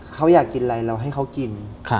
เขาอยากกินอะไรเราให้เขากิน